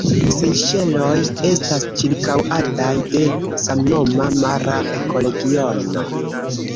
Sejŝeloj estas ĉirkaŭataj de samnoma mara ekoregiono.